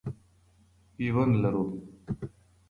ژوند لرو.